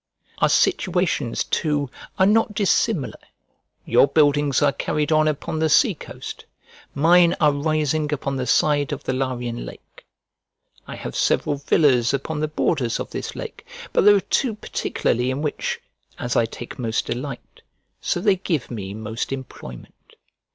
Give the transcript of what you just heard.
Our situations too are not dissimilar; your buildings are carried on upon the sea coast, mine are rising upon the side of the Larian lake. I have several villas upon the borders of this lake, but there are two particularly in which, as I take most delight, so they give me most employment.